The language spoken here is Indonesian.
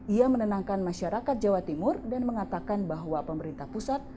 ia menenangkan masyarakat jawa timur dan mengatakan bahwa pemerintah pusat